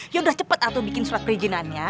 yaudah cepet atuh bikin surat perizinannya